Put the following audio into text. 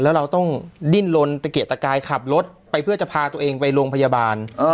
แล้วเราต้องดิ้นลนตะเกียกตะกายขับรถไปเพื่อจะพาตัวเองไปโรงพยาบาล